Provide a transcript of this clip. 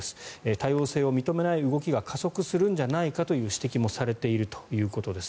多様性を認めない動きが加速するんじゃないかという指摘もされているということです。